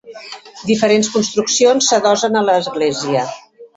Diferents construccions s'adossen a l'església.